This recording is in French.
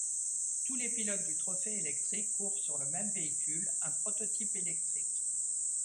Tous les pilotes du Trophée électrique courent sur le même véhicule, un prototype électrique.